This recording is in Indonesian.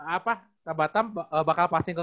apa batam bakal passing ke